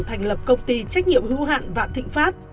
thành lập công ty trách nhiệm hữu hạn vạn thịnh pháp